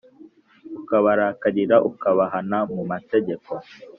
ukabarakarira ukabahana mu mategeko